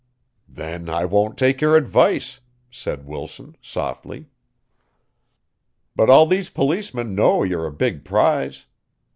"Then I won't take your advice," said Wilson, softly. "But all these policemen know you're a big prize.